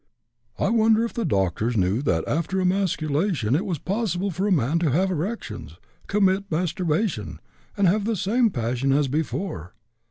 I wonder if the doctors knew that after emasculation it was possible for a man to have erections, commit masturbation, and have the same passion as before.